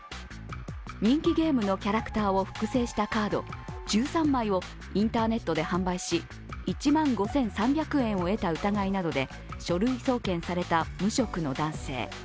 人気ゲームのキャラクターを複製したカード１３枚をインターネットで販売し、１万５３００円を得た疑いなどで書類送検された無職の男性。